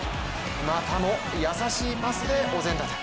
またも優しいパスでお膳立て。